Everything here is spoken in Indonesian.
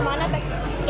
insya allah kalau allah